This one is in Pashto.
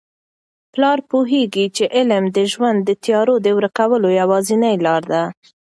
پلار پوهیږي چي علم د ژوند د تیارو د ورکولو یوازینۍ لاره ده.